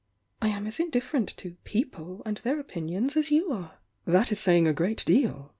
I am as indit ferent to 'people' and their opinions as you arc! "That is saying a great deal!"